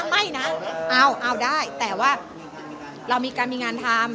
ไม่นะเอาได้แต่ว่าเรามีการมีงานทำ